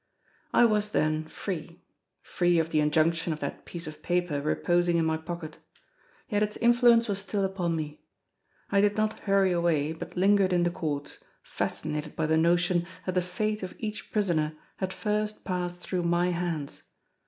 I was, then, free—free of the injunction of that piece of paper reposing in my pocket. Yet its influence was still upon me. I did not hurry away, but lingered in the courts, fascinated by the notion that the fate of each prisoner had first passed through my hands.